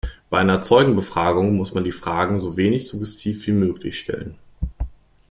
Bei einer Zeugenbefragung muss man die Fragen so wenig suggestiv wie möglich stellen.